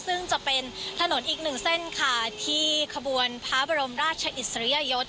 ซึ่งจะเป็นถนนอีกหนึ่งเส้นค่ะที่ขบวนพระบรมราชอิสริยยศ